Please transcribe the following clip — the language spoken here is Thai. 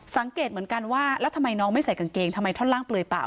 สังเกตเหมือนกันว่าแล้วทำไมน้องไม่ใส่กางเกงทำไมท่อนล่างเปลือยเปล่า